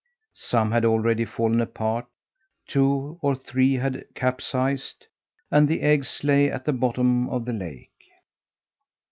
Some had already fallen apart, two or three had capsized, and the eggs lay at the bottom of the lake.